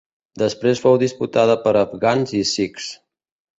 Després fou disputada per afgans i sikhs.